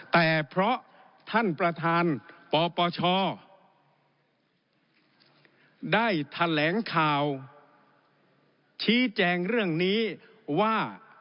แต่เพราะท่านประธานปปชได้แถลงข่าวชี้แจงเรื่องนี้ว่า